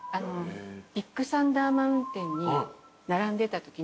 ビッグサンダー・マウンテンに並んでたときに。